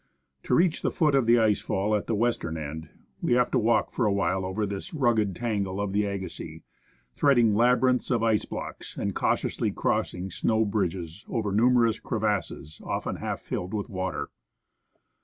To reach the foot of the ice fall at the western end, we have to walk for a while over this rugged tangle of the Agassiz, threading labyrinths of ice blocks and 124 <; o 2; O o NEWTON GLACIER cautiously crossing snow bridges, over numerous crevasses, often half filled with water.